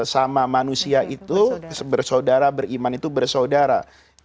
sama manusia itu bersaudara beriman itu bersaudara